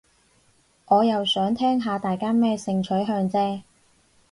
我又想聽下大家咩性取向啫